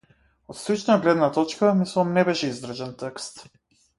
Од стручна гледна точка, мислам, не беше издржан текст.